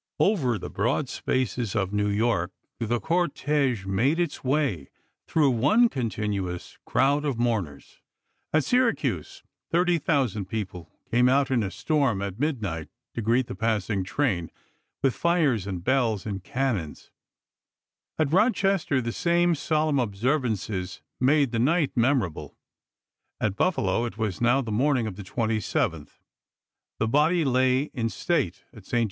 Over the broad spaces of New York the cortege made its way, through one continuous crowd of mourners. At Syracuse thirty thousand people came out in a storm at midnight to greet the pas sing train with fires and bells and cannons; at Eochester the same solemn observances made the night memorable; at Buffalo — it was now the morning of the 27th — the body lay in state at St. Apm, lses.